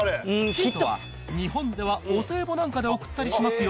ヒントは日本ではお歳暮なんかで贈ったりしますよ。